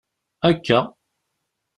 Akka.